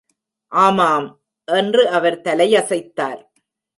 ஆமாம், என்று அவர் தலையசைத்தார்.